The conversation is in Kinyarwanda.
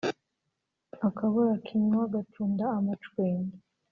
akabura kinywa ngacunda amacwende